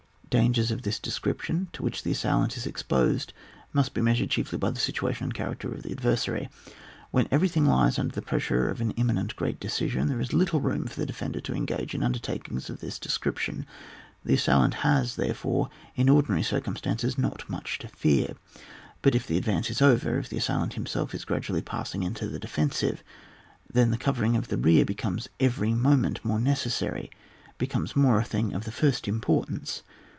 Dangers of this description, to which the assailant is exposed, must be mea sured chiefly by the situation and cha racter of the adversary. When every thing lies under the pressure of an imminent great decision, there is little room for the defender to engage in undertakings of this description; the assailant has, therefore, in oidinary cir cumstances not much to fear. But if the advance is over, if the assailant himself is gradually passing into the defensive, then the covering of the rear becomes every moment more necessary, becomes more a thing of the first importance.